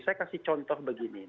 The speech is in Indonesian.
saya kasih contoh begini